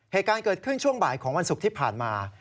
เหตุการณ์เกิดขึ้นช่วงบ่ายของวันศุกร์ที่ผ่านมา